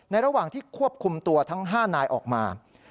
ระหว่างที่ควบคุมตัวทั้ง๕นายออกมา